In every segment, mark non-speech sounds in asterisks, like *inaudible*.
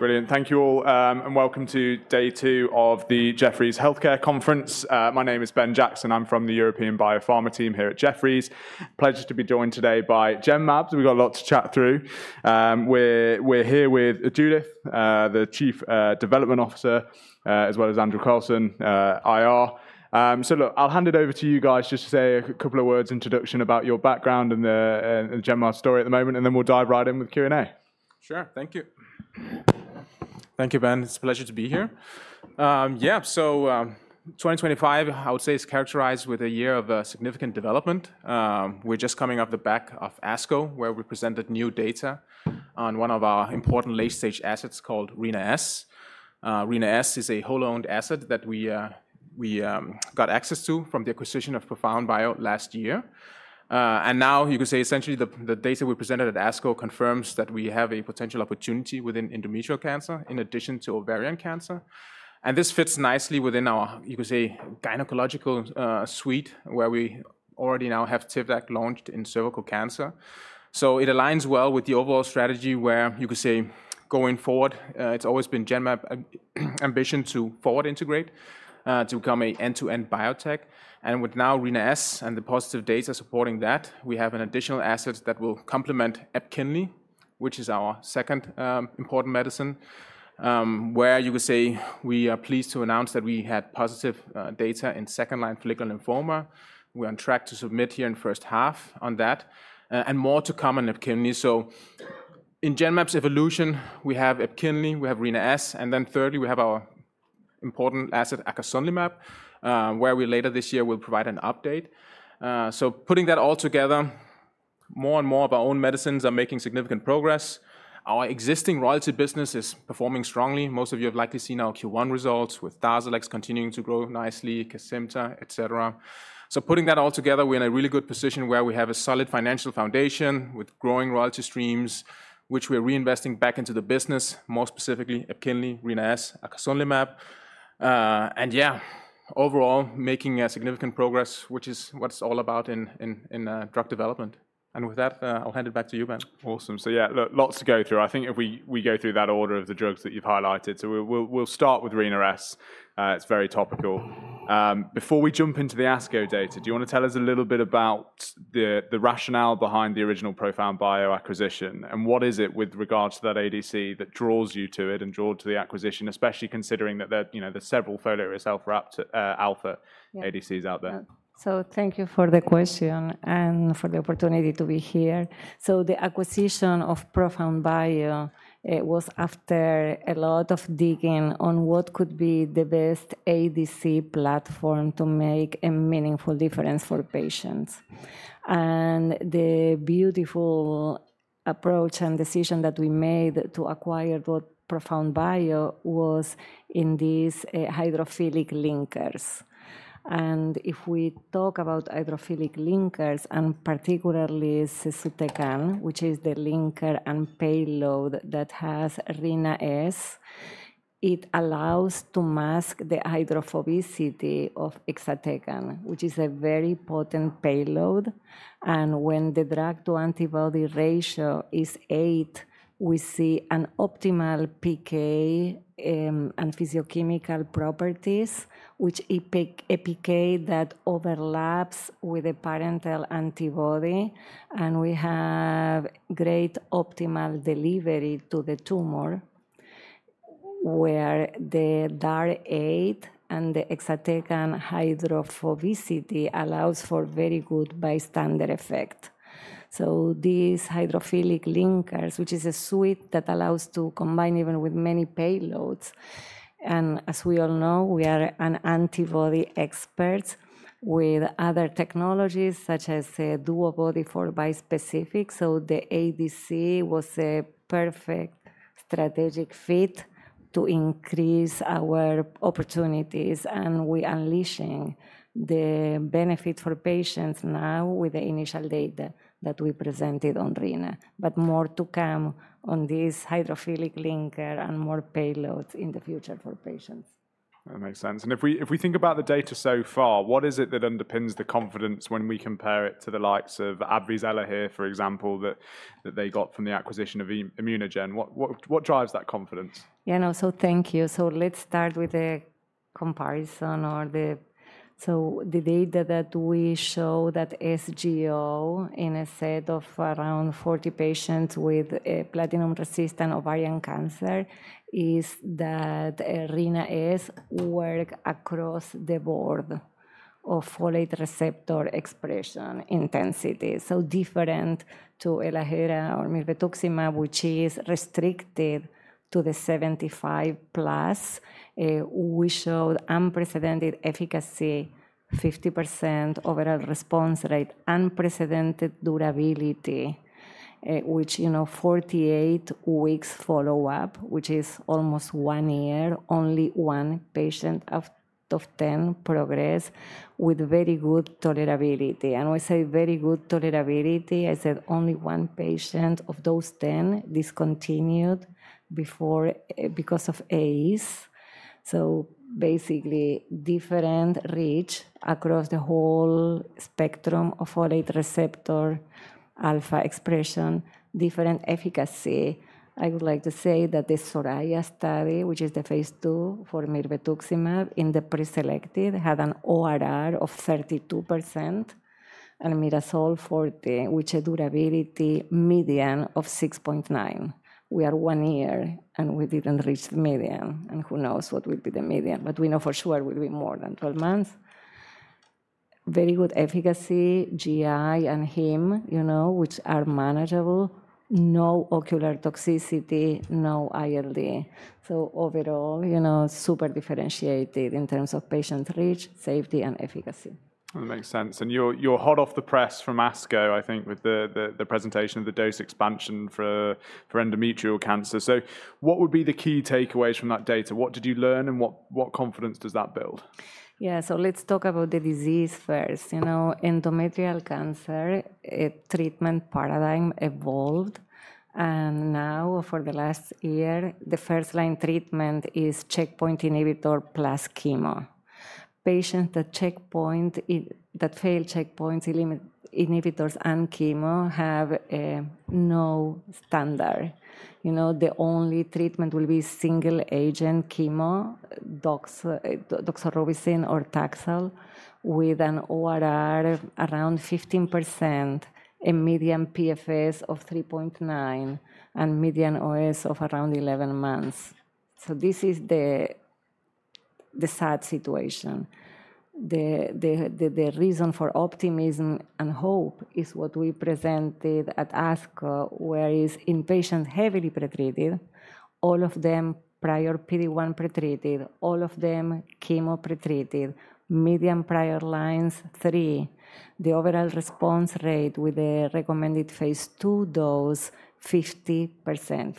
Brilliant. Thank you all, and welcome to day two of the Jefferies Healthcare Conference. My name is Ben Jackson. I'm from the European Biopharma team here at Jefferies. Pleasure to be joined today by Genmab. We've got a lot to chat through. We're here with Judith, the Chief Development Officer, as well as Andrew Carlsen, IR. Look, I'll hand it over to you guys just to say a couple of words, introduction about your background and the Genmab story at the moment, and then we'll dive right in with Q&A. Sure. Thank you. Thank you, Ben. It's a pleasure to be here. Yeah, so 2025, I would say, is characterized with a year of significant development. We're just coming off the back of ASCO, where we presented new data on one of our important late-stage assets called Rina-S. Rina-S is a wholly owned asset that we got access to from the acquisition of ProfoundBio last year. Now, you could say, essentially, the data we presented at ASCO confirms that we have a potential opportunity within endometrial cancer in addition to ovarian cancer. This fits nicely within our, you could say, gynecological suite, where we already now have Tivdak launched in cervical cancer. It aligns well with the overall strategy where, you could say, going forward, it's always been Genmab's ambition to forward integrate, to become an end-to-end biotech. With now Rina-S and the positive data supporting that, we have an additional asset that will complement EPKINLY, which is our second important medicine, where you could say we are pleased to announce that we had positive data in second-line follicular lymphoma. We are on track to submit here in the first half on that, and more to come on EPKINLY. In Genmab's evolution, we have EPKINLY, we have Rina-S, and then thirdly, we have our important asset, acasunlimab, where we later this year will provide an update. Putting that all together, more and more of our own medicines are making significant progress. Our existing royalty business is performing strongly. Most of you have likely seen our Q1 results with Darzalex continuing to grow nicely, Kesimpta, etc. We're in a really good position where we have a solid financial foundation with growing royalty streams, which we're reinvesting back into the business, more specifically EPKINLY, Rina-S, acasunlimab. Yeah, overall, making significant progress, which is what it's all about in drug development. With that, I'll hand it back to you, Ben. Awesome. Yeah, lots to go through. I think we go through that order of the drugs that you've highlighted. We'll start with Rina-S. It's very topical. Before we jump into the ASCO data, do you want to tell us a little bit about the rationale behind the original ProfoundBio acquisition? What is it with regards to that ADC that draws you to it and draws to the acquisition, especially considering that there are several folate receptor alpha ADCs out there? Thank you for the question and for the opportunity to be here. The acquisition of ProfoundBio was after a lot of digging on what could be the best ADC platform to make a meaningful difference for patients. The beautiful approach and decision that we made to acquire ProfoundBio was in these hydrophilic linkers. If we talk about hydrophilic linkers, and particularly, *inaudible* which is the linker and payload that has Rina-S, it allows to mask the hydrophobicity of Exatecan, which is a very potent payload. When the drug-to-antibody ratio is 8, we see an optimal PK and physiochemical properties, which is a PK that overlaps with a parental antibody. We have great optimal delivery to the tumor, where the DAR8 and the Exatecan hydrophobicity allows for very good bystander effect. These hydrophilic linkers, which is a suite that allows to combine even with many payloads. And as we all know, we are an antibody expert with other technologies such as DuoBody for bispecific. So the ADC was a perfect strategic fit to increase our opportunities. And we are unleashing the benefit for patients now with the initial data that we presented on Rina, but more to come on these hydrophilic linkers and more payloads in the future for patients. That makes sense. If we think about the data so far, what is it that underpins the confidence when we compare it to the likes of [Abluzelahab], for example, that they got from the acquisition of ImmunoGen? What drives that confidence? Yeah, no, so thank you. Let's start with the comparison. The data that we showed at SGO in a set of around 40 patients with platinum-resistant ovarian cancer is that Rina-S works across the board of folate receptor expression intensity. Different to Elahere or Mirvetuximab, which is restricted to the 75+%, we showed unprecedented efficacy, 50% overall response rate, unprecedented durability, which, you know, 48 weeks follow-up, which is almost one year, only one patient out of 10 progressed with very good tolerability. When I say very good tolerability, I said only one patient of those 10 discontinued before because of AEs. Basically, different reach across the whole spectrum of folate receptor alpha expression, different efficacy. I would like to say that the SORAYA study, which is the phase II for Mirvetuximab in the preselected, had an ORR of 32% and MIRASOL 40, which had durability median of 6.9. We are one year, and we did not reach the median. You know, who knows what will be the median? But we know for sure it will be more than 12 months. Very good efficacy, GI and hematologic, you know, which are manageable, no ocular toxicity, no ILD. Overall, you know, super differentiated in terms of patient reach, safety, and efficacy. That makes sense. You are hot off the press from ASCO, I think, with the presentation of the dose expansion for endometrial cancer. What would be the key takeaways from that data? What did you learn, and what confidence does that build? Yeah, so let's talk about the disease first. You know, endometrial cancer treatment paradigm evolved. And now, for the last year, the first-line treatment is checkpoint inhibitor plus chemo. Patients that fail checkpoints, inhibitors, and chemo have no standard. You know, the only treatment will be single-agent chemo, doxorubicin or Taxol, with an ORR around 15%, a median PFS of 3.9, and median OS of around 11 months. This is the sad situation. The reason for optimism and hope is what we presented at ASCO, whereas in patients heavily pretreated, all of them prior PD-1 pretreated, all of them chemo pretreated, median prior lines three, the overall response rate with the recommended phase II dose, 50%,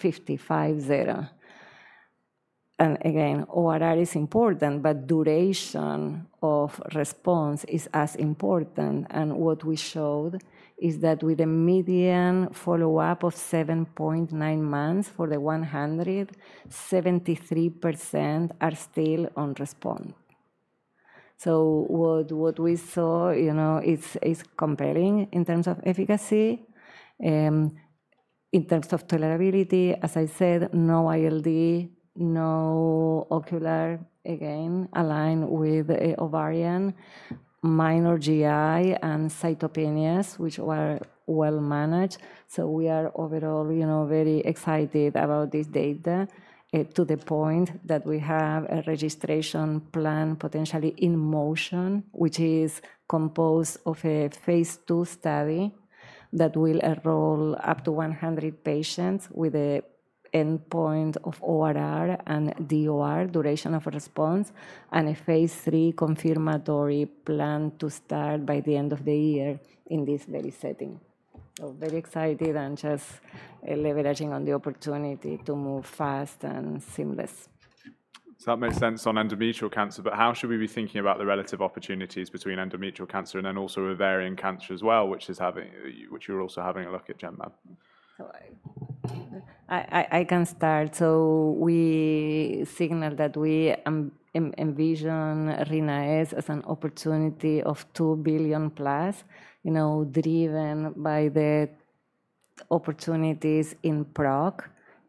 55.0. Again, ORR is important, but duration of response is as important. What we showed is that with a median follow-up of 7.9 months for the 100, 73% are still on response. What we saw, you know, is compelling in terms of efficacy. In terms of tolerability, as I said, no ILD, no ocular, again, aligned with ovarian, minor GI, and cytopenias, which were well managed. We are overall, you know, very excited about this data to the point that we have a registration plan potentially in motion, which is composed of a phase II study that will enroll up to 100 patients with an endpoint of ORR and DOR, duration of response, and a phase III confirmatory plan to start by the end of the year in this very setting. Very excited and just leveraging on the opportunity to move fast and seamless. That makes sense on endometrial cancer, but how should we be thinking about the relative opportunities between endometrial cancer and then also ovarian cancer as well, which you're also having a look at, Genmab? I can start. So we signal that we envision Rina-S as an opportunity of $2 billion+, you know, driven by the opportunities in PRSOC,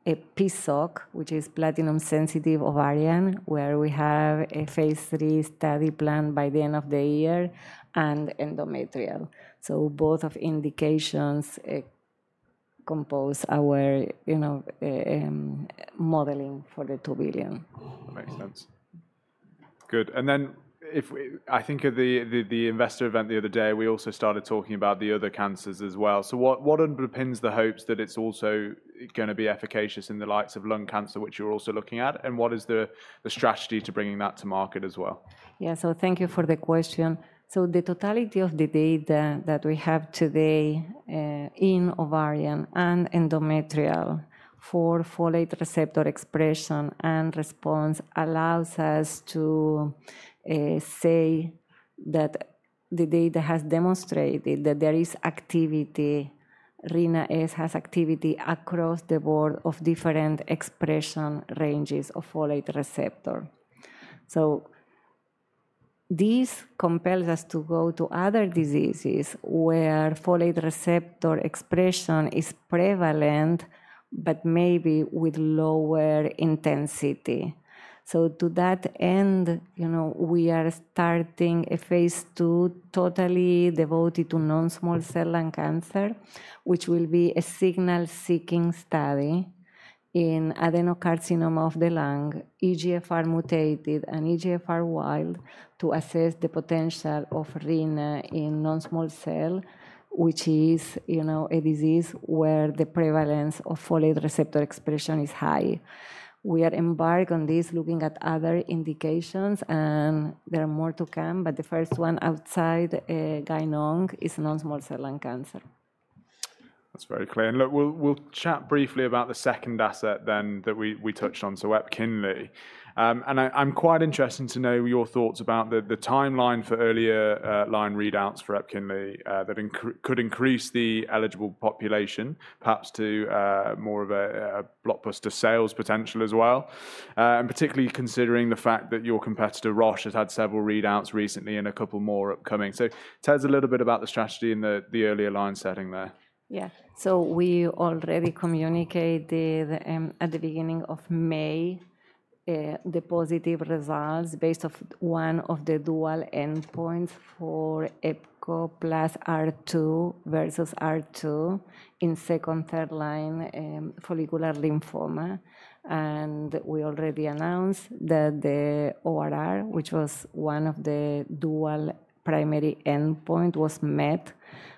a PSOC, which is platinum-sensitive ovarian, where we have a phase III study planned by the end of the year, and endometrial. So both of indications compose our, you know, modeling for the $2 billion. That makes sense. Good. I think at the investor event the other day, we also started talking about the other cancers as well. What underpins the hopes that it's also going to be efficacious in the likes of lung cancer, which you're also looking at? What is the strategy to bringing that to market as well? Yeah, so thank you for the question. The totality of the data that we have today in ovarian and endometrial for folate receptor expression and response allows us to say that the data has demonstrated that there is activity. Rina-S has activity across the board of different expression ranges of folate receptor. This compels us to go to other diseases where folate receptor expression is prevalent, but maybe with lower intensity. To that end, you know, we are starting a phase II totally devoted to non-small cell lung cancer, which will be a signal-seeking study in adenocarcinoma of the lung, EGFR mutated and EGFR wild, to assess the potential of Rina in non-small cell, which is, you know, a disease where the prevalence of folate receptor expression is high. We are embarking on this looking at other indications, and there are more to come, but the first one outside GynONC is non-small cell lung cancer. That's very clear. Look, we'll chat briefly about the second asset then that we touched on, so EPKINLY. I'm quite interested to know your thoughts about the timeline for earlier line readouts for EPKINLY that could increase the eligible population, perhaps to more of a blockbuster sales potential as well, and particularly considering the fact that your competitor, Roche, has had several readouts recently and a couple more upcoming. Tell us a little bit about the strategy in the earlier line setting there. Yeah, so we already communicated at the beginning of May the positive results based off one of the dual endpoints for EPKINLY plus R2 versus R2 in second, third line follicular lymphoma. We already announced that the ORR, which was one of the dual primary endpoints, was met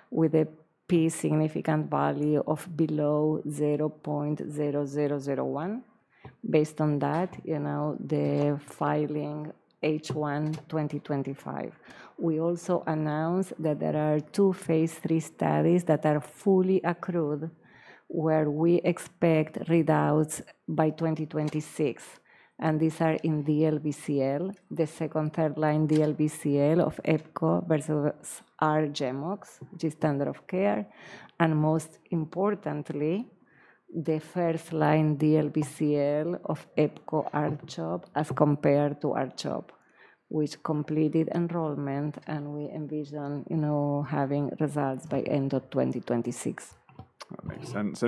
with a P significant value of below 0.0001. Based on that, you know, the filing H1 2025. We also announced that there are two phase III studies that are fully accrued where we expect readouts by 2026. These are in DLBCL, the second, third line DLBCL of Epcor versus R-GemOx, which is standard of care. Most importantly, the first line DLBCL of Epcor R-CHOP as compared to R-CHOP, which completed enrollment, and we envision, you know, having results by end of 2026. That makes sense.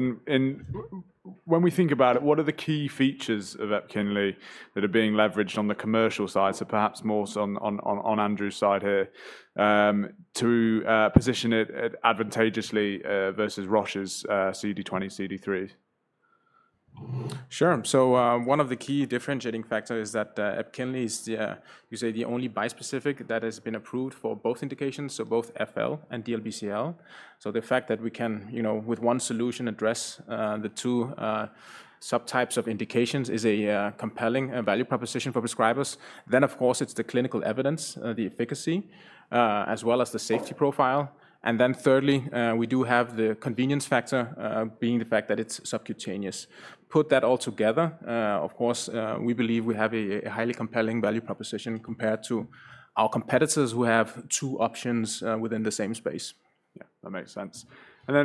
When we think about it, what are the key features of EPKINLY that are being leveraged on the commercial side, so perhaps more so on Andrew's side here, to position it advantageously versus Roche's CD20, CD3? Sure. One of the key differentiating factors is that EPKINLY is, you say, the only bispecific that has been approved for both indications, so both FL and DLBCL. The fact that we can, you know, with one solution address the two subtypes of indications is a compelling value proposition for prescribers. Of course, it is the clinical evidence, the efficacy, as well as the safety profile. Thirdly, we do have the convenience factor being the fact that it is subcutaneous. Put that all together, of course, we believe we have a highly compelling value proposition compared to our competitors who have two options within the same space. Yeah, that makes sense. We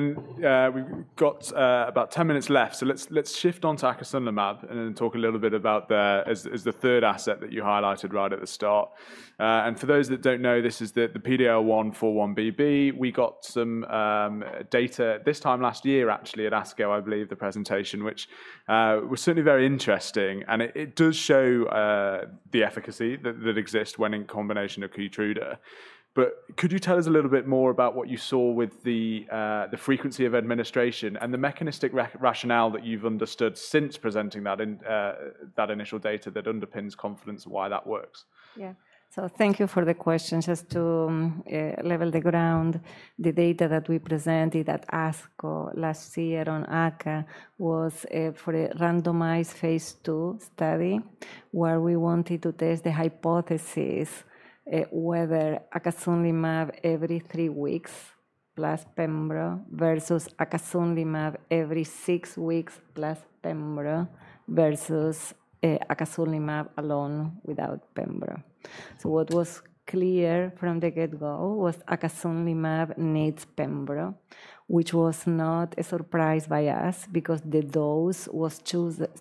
have about 10 minutes left. Let's shift on to acasunlimab and then talk a little bit about the third asset that you highlighted right at the start. For those that do not know, this is the PD-L1 4-1BB. We got some data this time last year, actually, at ASCO, I believe, the presentation, which was certainly very interesting. It does show the efficacy that exists when in combination with Keytruda. Could you tell us a little bit more about what you saw with the frequency of administration and the mechanistic rationale that you have understood since presenting that initial data that underpins confidence of why that works? Yeah, so thank you for the question. Just to level the ground, the data that we presented at ASCO last year on aca was for a randomized phase II study where we wanted to test the hypothesis whether acasunlimab every three weeks plus pembro versus acasunlimab every six weeks plus pembro versus acasunlimab alone without pembro. What was clear from the get-go was acasunlimab needs pembro, which was not a surprise by us because the dose was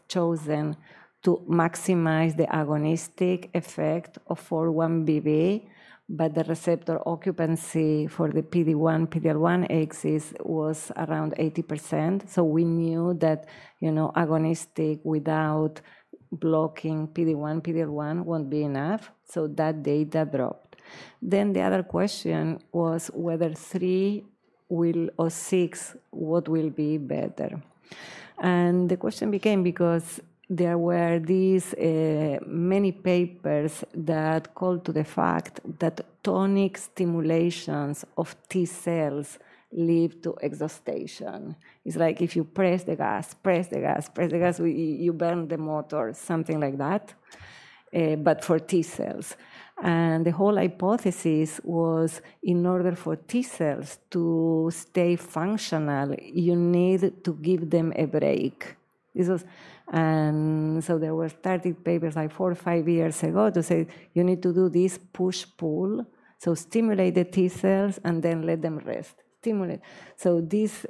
chosen to maximize the agonistic effect of 4-1BB, but the receptor occupancy for the PD-1, PD-L1 axes was around 80%. We knew that, you know, agonistic without blocking PD-1, PD-L1 won't be enough. That data dropped. The other question was whether three or six, what will be better? The question became because there were these many papers that called to the fact that tonic stimulations of T cells lead to exhaustion. It is like if you press the gas, press the gas, press the gas, you burn the motor, something like that, but for T cells. The whole hypothesis was in order for T cells to stay functional, you need to give them a break. There were started papers like four or five years ago to say you need to do this push-pull, so stimulate the T cells and then let them rest, stimulate. This,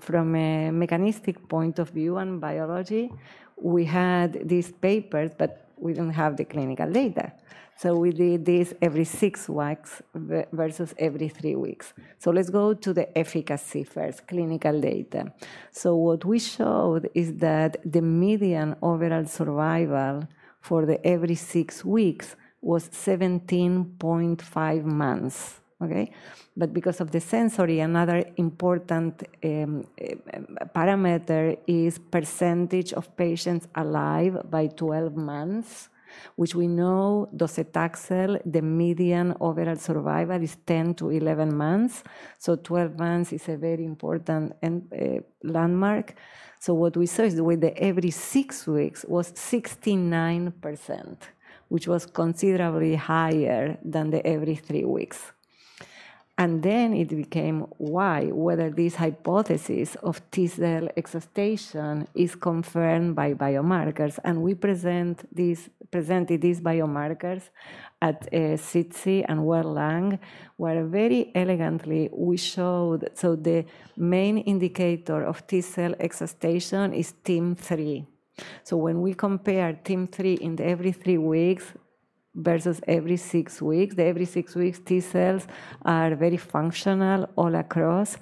from a mechanistic point of view and biology, we had these papers, but we did not have the clinical data. We did this every six weeks versus every three weeks. Let's go to the efficacy first, clinical data. What we showed is that the median overall survival for the every six weeks was 17.5 months, okay? Because of the censoring, another important parameter is percentage of patients alive by 12 months, which we know docetaxel, the median overall survival is 10-11 months. Twelve months is a very important landmark. What we saw is with the every six weeks was 69%, which was considerably higher than the every three weeks. It became why, whether this hypothesis of T cell exhaustion is confirmed by biomarkers. We presented these biomarkers at CT and Well-Lung where very elegantly we showed, the main indicator of T cell exhaustion is TIM-3. When we compare TIM-3 in the every three weeks versus every six weeks, the every six weeks T cells are very functional all across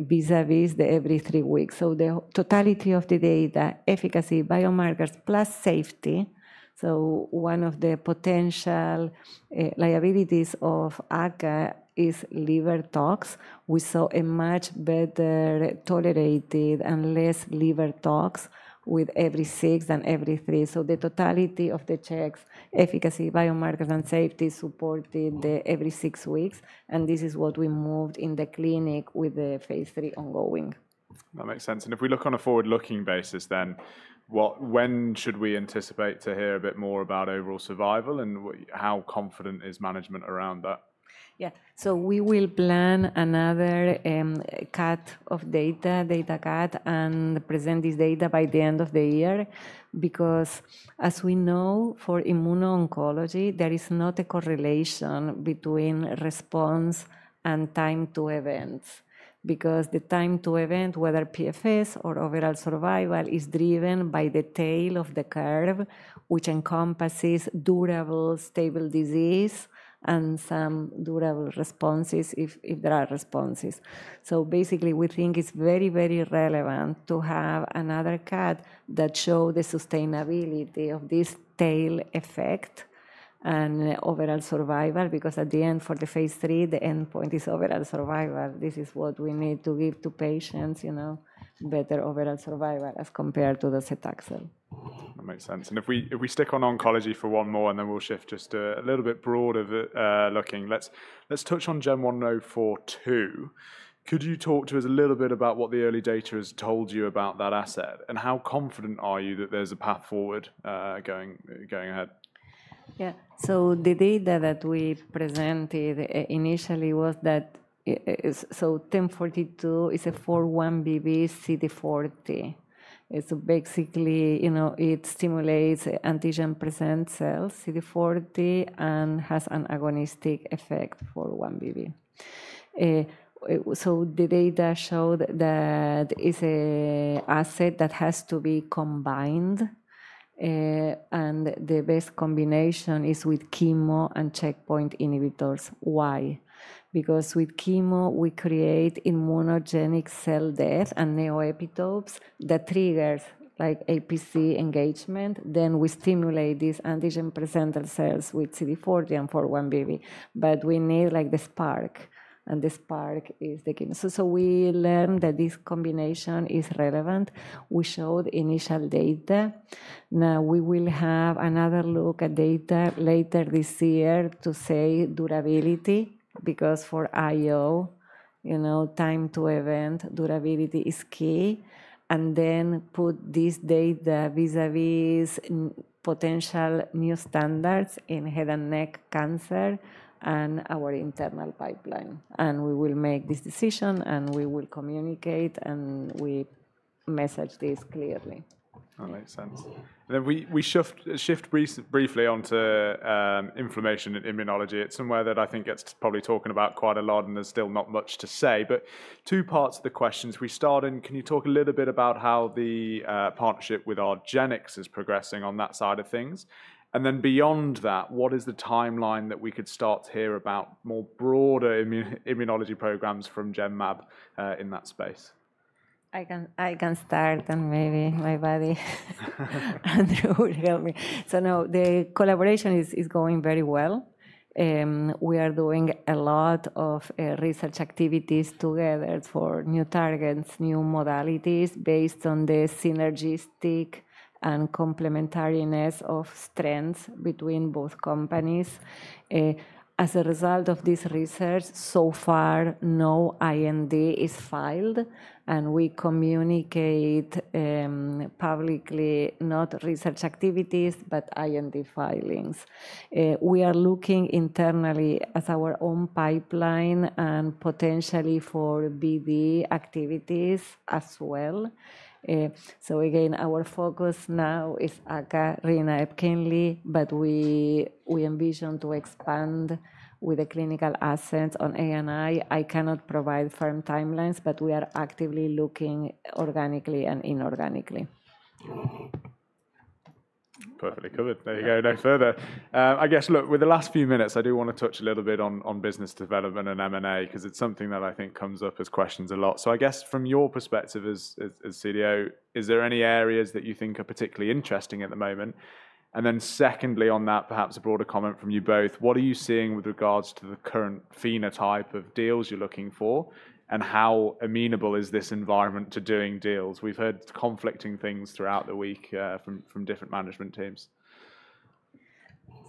vis-à-vis the every three weeks. The totality of the data, efficacy, biomarkers plus safety, so one of the potential liabilities of Aca is liver tox. We saw a much better tolerated and less liver tox with every six and every three. The totality of the checks, efficacy, biomarkers, and safety supported the every six weeks. This is what we moved in the clinic with the phase III ongoing. That makes sense. If we look on a forward-looking basis, when should we anticipate to hear a bit more about overall survival and how confident is management around that? Yeah, so we will plan another cut of data, data cut, and present this data by the end of the year because as we know, for immuno-oncology, there is not a correlation between response and time to event because the time to event, whether PFS or overall survival, is driven by the tail of the curve, which encompasses durable, stable disease and some durable responses if there are responses. Basically, we think it's very, very relevant to have another cut that shows the sustainability of this tail effect and overall survival because at the end for the phase III, the endpoint is overall survival. This is what we need to give to patients, you know, better overall survival as compared to docetaxel. That makes sense. If we stick on oncology for one more and then we'll shift just a little bit broader looking, let's touch on GEN1042. Could you talk to us a little bit about what the early data has told you about that asset and how confident are you that there's a path forward going ahead? Yeah, so the data that we presented initially was that, so GEN1042 is a 4-1BB CD40. It's basically, you know, it stimulates antigen-presenting cells CD40 and has an agonistic effect 4-1BB. The data showed that it's an asset that has to be combined. The best combination is with chemo and checkpoint inhibitors. Why? Because with chemo, we create immunogenic cell death and neoepitopes that triggers like APC engagement. Then we stimulate these antigen-presenting cells with CD40 and 4-1BB, but we need like the spark, and the spark is the chemo. We learned that this combination is relevant. We showed initial data. Now we will have another look at data later this year to say durability because for IO, you know, time to event, durability is key. Then put this data vis-à-vis potential new standards in head and neck cancer and our internal pipeline. We will make this decision and we will communicate and we message this clearly. That makes sense. We shift briefly onto inflammation and immunology. It's somewhere that I think gets probably talked about quite a lot and there's still not much to say. Two parts of the questions. We start in, can you talk a little bit about how the partnership with argenx is progressing on that side of things? Beyond that, what is the timeline that we could start to hear about more broader immunology programs from Genmab in that space? I can start and maybe my buddy Andrew will help me. No, the collaboration is going very well. We are doing a lot of research activities together for new targets, new modalities based on the synergistic and complementariness of strengths between both companies. As a result of this research, so far, no IND is filed and we communicate publicly not research activities, but IND filings. We are looking internally at our own pipeline and potentially for BD activities as well. Again, our focus now is Aca, Rina, EPKINLY, but we envision to expand with a clinical asset on ANI. I cannot provide firm timelines, but we are actively looking organically and inorganically. Perfect. Good. There you go. Next further. I guess, look, with the last few minutes, I do want to touch a little bit on business development and M&A because it's something that I think comes up as questions a lot. I guess from your perspective as CDO, is there any areas that you think are particularly interesting at the moment? Secondly on that, perhaps a broader comment from you both. What are you seeing with regards to the current phenotype of deals you're looking for and how amenable is this environment to doing deals? We've heard conflicting things throughout the week from different management teams.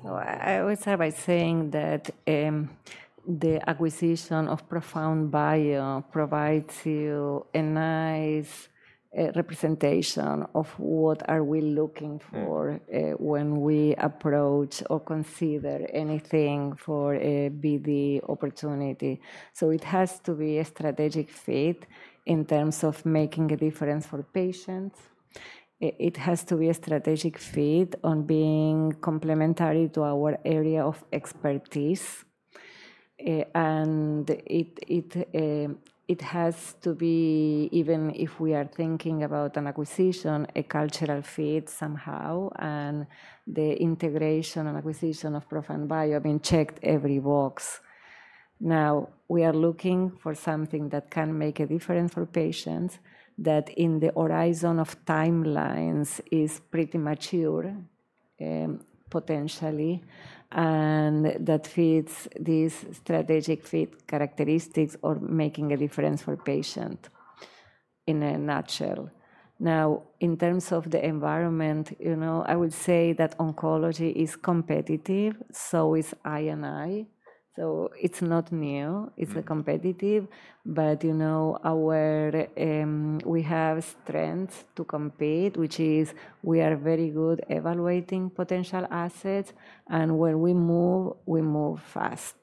I always start by saying that the acquisition of ProfoundBio provides you a nice representation of what are we looking for when we approach or consider anything for a BD opportunity. It has to be a strategic fit in terms of making a difference for patients. It has to be a strategic fit on being complementary to our area of expertise. It has to be, even if we are thinking about an acquisition, a cultural fit somehow. The integration and acquisition of ProfoundBio have checked every box. Now we are looking for something that can make a difference for patients that in the horizon of timelines is pretty mature potentially and that fits these strategic fit characteristics or making a difference for patients in a nutshell. Now, in terms of the environment, you know, I would say that oncology is competitive, so is INI. So it's not new. It's competitive, but you know, we have strengths to compete, which is we are very good evaluating potential assets. And when we move, we move fast.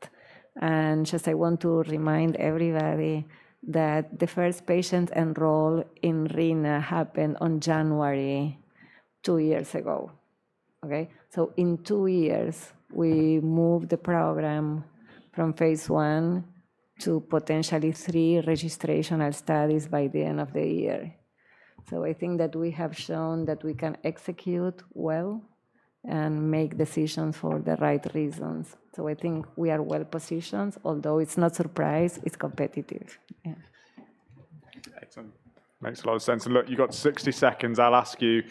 And just I want to remind everybody that the first patient enrolled in Rina happened in January two years ago, okay? So in two years, we moved the program from phase I to potentially three registrational studies by the end of the year. I think that we have shown that we can execute well and make decisions for the right reasons. I think we are well positioned, although it's not surprise, it's competitive. Excellent. Makes a lot of sense. Look, you've got 60 seconds. I'll ask you,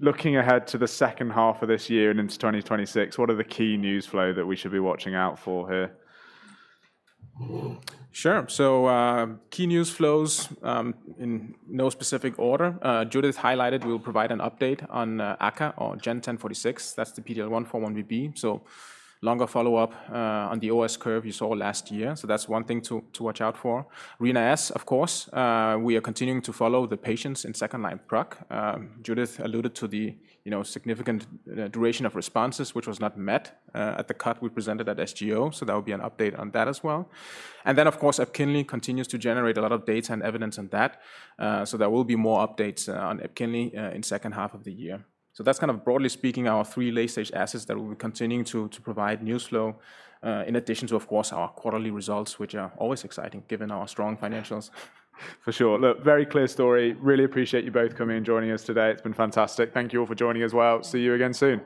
looking ahead to the second half of this year and into 2026, what are the key news flow that we should be watching out for here? Sure. Key news flows in no specific order. Judith highlighted we'll provide an update on Aca or GEN1046. That's the PD-L1 4-1BB. Longer follow-up on the OS curve you saw last year. That's one thing to watch out for. Rina-S, of course, we are continuing to follow the patients in second-line PRSOC. Judith alluded to the, you know, significant duration of responses, which was not met at the cut we presented at SGO. That will be an update on that as well. Of course, EPKINLY continues to generate a lot of data and evidence on that. There will be more updates on EPKINLY in the second half of the year. That's kind of broadly speaking our three late-stage assets that we'll be continuing to provide news flow in addition to, of course, our quarterly results, which are always exciting given our strong financials. For sure. Look, very clear story. Really appreciate you both coming and joining us today. It's been fantastic. Thank you all for joining as well. See you again soon.